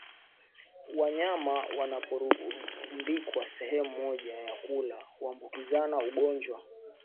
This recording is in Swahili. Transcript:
Wanyama wanaporundikwa sehemu moja ya kula huambukizana ugonjwa